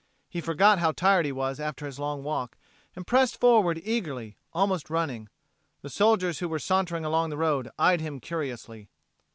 He forgot how tired he was after his long walk, and pressed forward eagerly, almost running. The soldiers who were sauntering along the road eyed him curiously.